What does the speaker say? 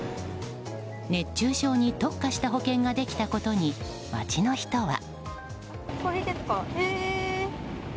熱中症に特化した保険ができたことに街の人は。